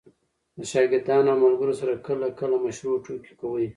د شاګردانو او ملګرو سره کله – کله مشروع ټوکي کوئ!